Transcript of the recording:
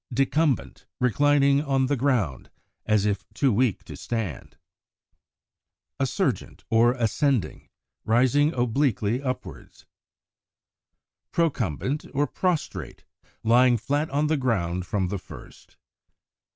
Decumbent, reclining on the ground, as if too weak to stand. Assurgent or Ascending, rising obliquely upwards. Procumbent or Prostrate, lying flat on the ground from the first.